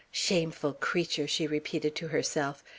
"Shameful creature!" she repeated to herself.